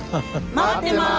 待ってます！